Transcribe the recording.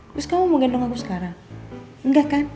terus kamu mau gendong aku sekarang enggak kan